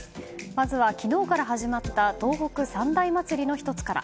まずは昨日から始まった東北三大祭りの１つから。